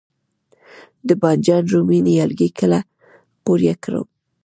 د بانجان رومي نیالګي کله قوریه کړم؟